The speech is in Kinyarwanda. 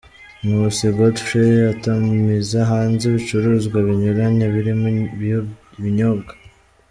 Nkusi Godfrey atumiza hanze ibicuruzwa binyuranye birimo ibinyobwa.